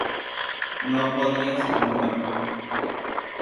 No podías engañarlo.